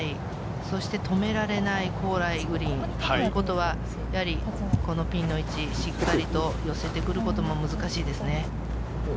そして止められない高麗グリーンということは、このピンの位置、しっかりと寄せてくることも難しいですね。